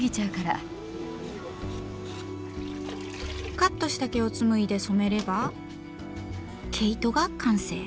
カットした毛をつむいで染めれば毛糸が完成。